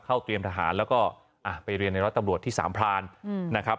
เตรียมทหารแล้วก็ไปเรียนในร้อยตำรวจที่สามพรานนะครับ